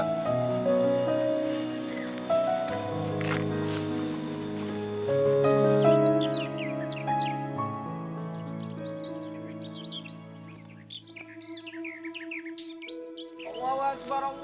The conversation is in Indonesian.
allahu akbar allahu akbar